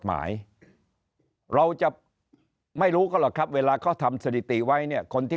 หมายเราจะไม่รู้ก็หรอกครับเวลาเขาทำสถิติไว้เนี่ยคนที่